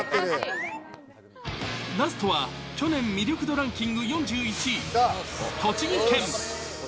ラストは、去年魅力度ランキング４１位、栃木県。